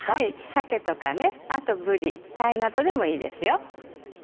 サケとかあとブリタイなどでもいいですよ。